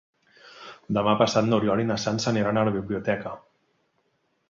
Demà passat n'Oriol i na Sança aniran a la biblioteca.